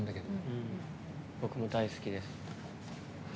僕も大好きです。